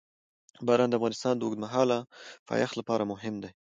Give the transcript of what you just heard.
باران د افغانستان د اوږدمهاله پایښت لپاره مهم دی.